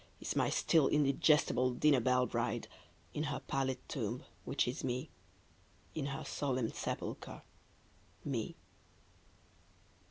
Is n^y still indigestible dinner belle bride, In her pallid tomb, which is Me, In her solemn sepulcher, Me.